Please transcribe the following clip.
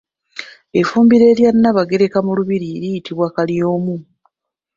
Effumbiro erya Nnaabagereka mu lubiri liyitibwa Kalyomu.